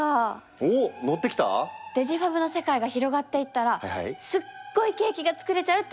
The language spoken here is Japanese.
おおのってきた⁉デジファブの世界が広がっていったらすっごいケーキが作れちゃうって話ですよね？